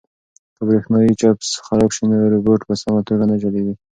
که برېښنايي چپس خراب شي نو روبوټ په سمه توګه نه چلیږي.